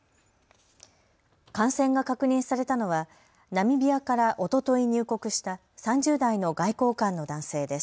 感染が確認されたのはナミビアからおととい入国した３０代の外交官の男性です。